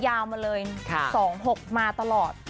ยาวมาเลยสองหกมาตลอด